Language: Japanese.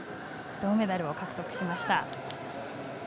銅メダルを獲得しました。